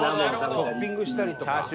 「トッピングしたりとか」